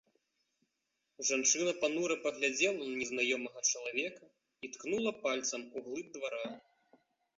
Жанчына панура паглядзела на незнаёмага чалавека і ткнула пальцам у глыб двара.